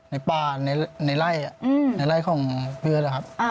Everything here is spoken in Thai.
ในป่าในไล่ในไล่ของเพื่อนนะครับ